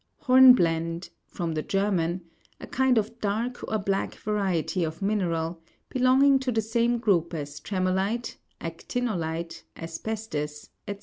121 Hornblende (from the German), a kind of dark or black variety of mine ral, belonging to the same group as tre'molite, acti'nolite, asbe'stus, &c.